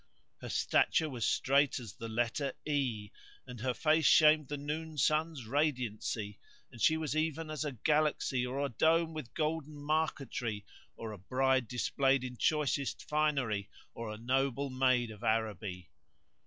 Her stature was straight as the letter I[FN#150] and her face shamed the noon sun's radiancy; and she was even as a galaxy, or a dome with golden marquetry or a bride displayed in choicest finery or a noble maid of Araby.